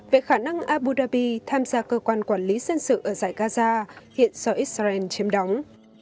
về khả năng abu dhabi tham gia cơ quan quản lý dân sự ở giải gaza hiện do israel chiếm đóng